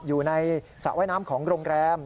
อยู่ในสระว่ายน้ำของโรงแรม